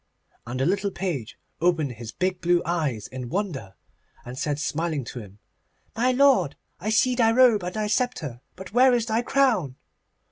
And the little page opened his big blue eyes in wonder, and said smiling to him, 'My lord, I see thy robe and thy sceptre, but where is thy crown?